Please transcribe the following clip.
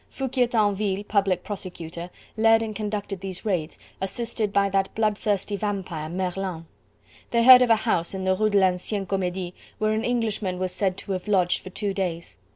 Foucquier Tinville, Public Prosecutor, led and conducted these raids, assisted by that bloodthirsty vampire, Merlin. They heard of a house in the Rue de l'Ancienne Comedie where an Englishmen was said to have lodged for two days.